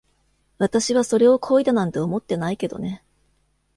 私はそれを恋だなんて思ってないけどね。